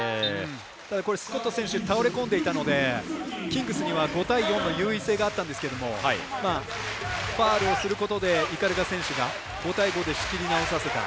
ただ、スコット選手倒れ込んでいましたのでキングスには５対４の優位性があったんですがファウルをすることで鵤選手が５対５で仕切り直させた。